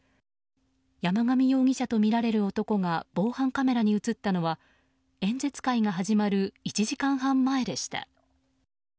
山上容疑者とみられる男が防犯カメラに映ったのは演説会が始まる１時間前でした。